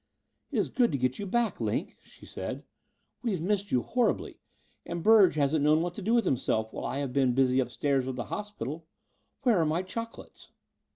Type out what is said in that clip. "It is good to get you back. Line," she said. '*We have missed you horribly: and Burge hasn't known what to do with himself while I have been busy upstairs with the hospital. Where are my chocolates?"